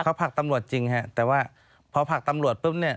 เขาผลักตำรวจจริงฮะแต่ว่าพอผลักตำรวจปุ๊บเนี่ย